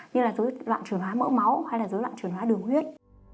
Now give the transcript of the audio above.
như dối loạn chuyển hóa mỡ máu hay dối loạn chuyển hóa đường huyết